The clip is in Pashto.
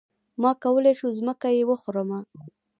ما کولی شو ځمکه يې وخورمه.